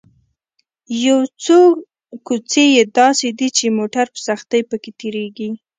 یو څو کوڅې یې داسې دي چې موټر په سختۍ په کې تېرېږي.